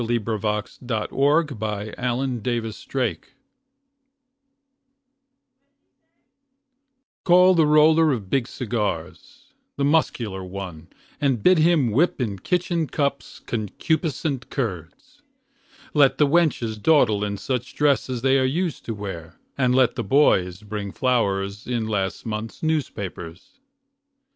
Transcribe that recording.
Wallace Stevens The Emperor of Ice Cream CALL the roller of big cigars, The muscular one, and bid him whip In kitchen cups concupiscent curds. Let the wenches dawdle in such dress As they are used to wear, and let the boys Bring flowers in last month's newspapers.